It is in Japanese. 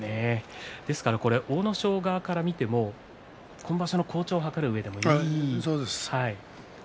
阿武咲側から見ても今場所の好調を図るうえでもいいですね。